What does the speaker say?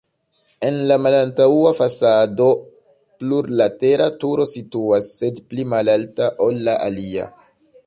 En la malantaŭa fasado plurlatera turo situas, sed pli malalta, ol la alia.